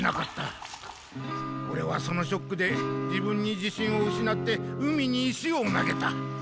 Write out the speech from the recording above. オレはそのショックで自分に自信をうしなって海に石を投げた。